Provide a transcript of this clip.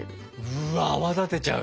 うわっ泡立てちゃう。